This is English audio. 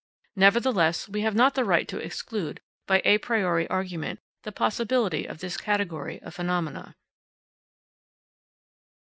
Nevertheless, we have not the right to exclude, by a priori argument, the possibility of this category of phenomena.